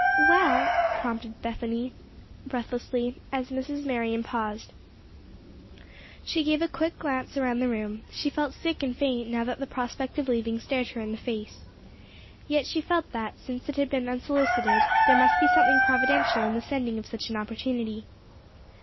"Well," prompted Bethany, breathlessly, as Mrs. Marion paused. She gave a quick glance around the room. She felt sick and faint, now that the prospect of leaving stared her in the face. Yet she felt that, since it had been unsolicited, there must be something providential in the sending of such an opportunity.